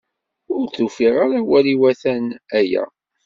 Ur d-ufiɣ ara awal iwatan aya.